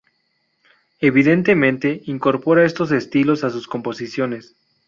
Evidentemente, incorpora estos estilos a sus composiciones.